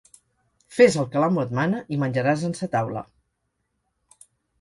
Fes el que l'amo et mana i menjaràs en sa taula.